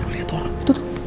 lihat orang itu tuh